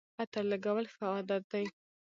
عطر لګول ښه عادت دی